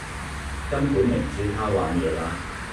根本明知她玩野啦.....